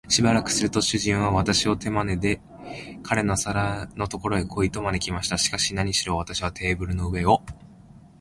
しばらくすると、主人は私を手まねで、彼の皿のところへ来い、と招きました。しかし、なにしろ私はテーブルの上を